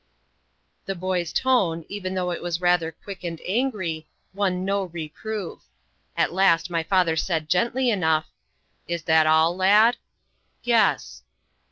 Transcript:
The boy's tone, even though it was rather quick and angry, won no reproof. At last my father said gently enough "Is that all, lad?" "Yes."